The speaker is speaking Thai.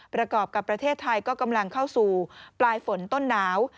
ประกอบกับประเทศไทยก็กำลังเข้าสู่ปลายฝนต้นหนาว